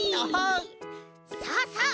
さあさあ